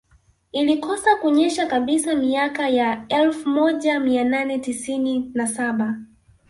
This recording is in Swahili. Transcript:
Ilikosa kunyesha kabisa miaka ya elfu moja mia nane tisini na saba